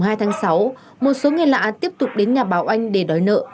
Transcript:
ngày mùng hai tháng sáu một số người lạ tiếp tục đến nhà bảo anh để đòi nợ